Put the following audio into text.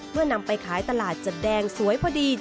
นำไปขายตลาดจะแดงสวยพอดี